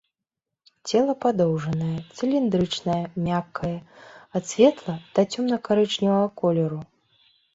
Цела падоўжанае, цыліндрычнае, мяккае, ад светла- да цёмна-карычневага колеру.